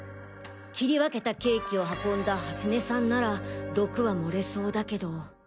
切り分けたケーキを運んだ初根さんなら毒は盛れそうだけど。